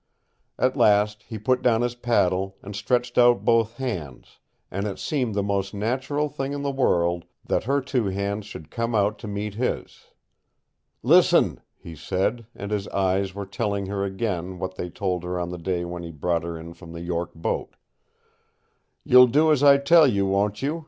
At last he put down his paddle, and stretched out both hands; and it seemed the most natural thing in the world that her two hands should come out to meet his. "Listen," he said, and his eyes were telling her again what they told her on the day when he brought her in from the York boat. "You'll do as I tell you, won't you?